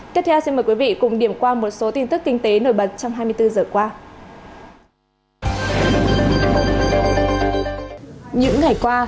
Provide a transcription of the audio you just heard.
tiếp theo xin mời quý vị cùng điểm qua một số tin tức kinh tế nổi bật trong hai mươi bốn giờ qua